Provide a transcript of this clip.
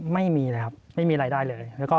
ไม่มีเลยครับไม่มีรายได้เลย